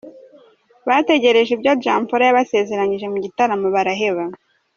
Bategereje ibyo Jamporo yabasezeranyije mu gitaramo baraheba